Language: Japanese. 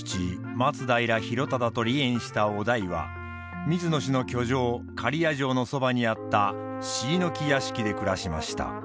松平広忠と離縁した於大は水野氏の居城刈谷城のそばにあった椎の木屋敷で暮らしました。